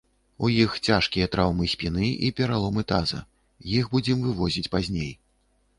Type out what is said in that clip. У іх цяжкія траўмы спіны і пераломы таза, іх будзем вывозіць пазней.